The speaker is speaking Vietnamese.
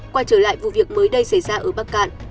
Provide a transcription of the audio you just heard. quay trở lại vụ việc mới đây xảy ra ở bắc cạn